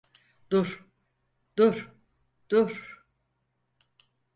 Dur, dur, dur!